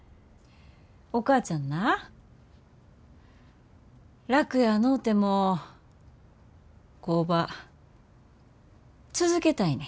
お母ちゃんな楽やのうても工場続けたいねん。